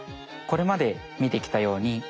これまでみてきたように